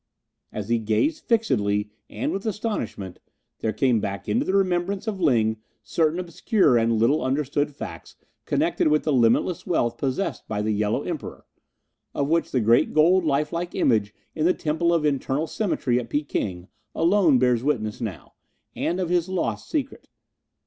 As he gazed fixedly and with astonishment, there came back into the remembrance of Ling certain obscure and little understood facts connected with the limitless wealth possessed by the Yellow Emperor of which the great gold life like image in the Temple of Internal Symmetry at Peking alone bears witness now and of his lost secret.